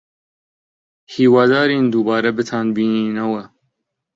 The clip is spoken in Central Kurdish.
هیوادارین دووبارە بتانبینینەوە.